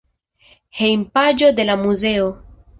Hejmpaĝo de la muzeo.